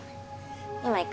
今行く